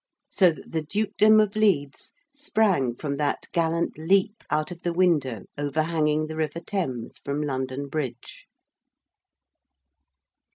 So that the Dukedom of Leeds sprang from that gallant leap out of the window overhanging the river Thames from London Bridge.